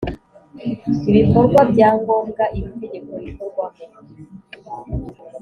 Ibikorwa bya ngombwa iri tegeko rikorwamo